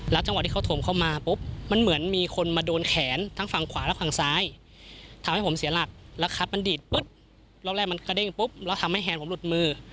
รอบแรกมันกระเด้งปุ๊บแล้วทำให้แฮนด์ผมหลุดมือ